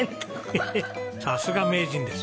ヘヘッさすが名人です。